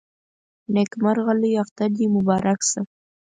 د نيکمرغه لوی اختر دې مبارک شه